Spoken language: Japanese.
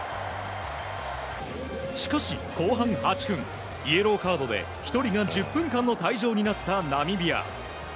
しかし、後半８分イエローカードで１人が１０分間の退場になったナミビア。